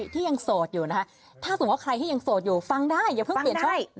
ที่ยังโสดอยู่นะคะถ้าสมมุติว่าใครที่ยังโสดอยู่ฟังได้อย่าเพิ่งเปลี่ยนช่อง